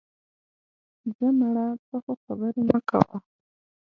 ځه مړه، ته خو خبرې مه کوه